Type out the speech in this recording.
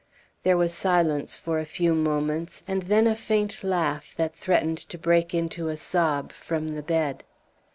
There was silence for a few moments, and then a faint laugh, that threatened to break into a sob, from the bed.